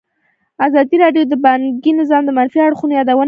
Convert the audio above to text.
ازادي راډیو د بانکي نظام د منفي اړخونو یادونه کړې.